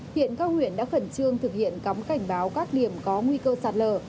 hiện các huyện đã khẩn trương thực hiện cắm cảnh báo các điểm có nguy cơ sạt lở